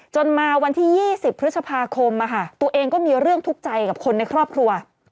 จนมาวันที่๒๐พฤษภาคมตัวเองก็มีเรื่องทุกข์ใจกับคนในครอบครัว